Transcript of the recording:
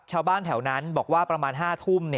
ชาวบ้านแถวนั้นบอกว่าประมาณ๕ทุ่ม